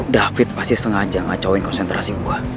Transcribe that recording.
david pasti sengaja ngacauin konsentrasi gua